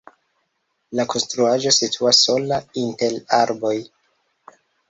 La konstruaĵo situas sola inter arboj.